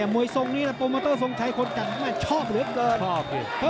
มวยทรงนี้โปรเมอเตอร์ทรงชายคนกลางชอบเหลือเกิน